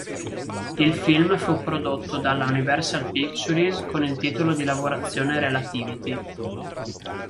Il film fu prodotto dalla Universal Pictures con il titolo di lavorazione "Relativity".